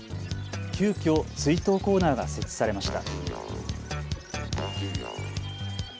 急きょ、追悼コーナーが設置されました。